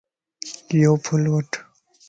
يو ڦل وڻھه